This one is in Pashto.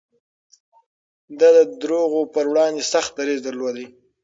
ده د دروغو پر وړاندې سخت دريځ درلود.